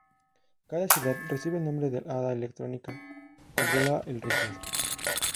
Cada ciudad recibe el nombre del Hada Electrónica que controla el Regios.